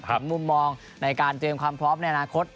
มุมมองในการเตรียมความพร้อมในอนาคต